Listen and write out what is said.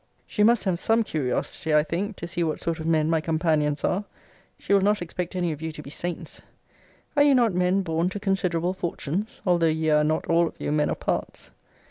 She must have some curiosity, I think, to see what sort of men my companions are: she will not expect any of you to be saints. Are you not men born to considerable fortunes, although ye are not all of you men of parts?